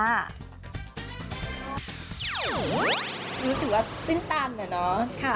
รู้สึกว่าตื่นตันน่ะค่ะ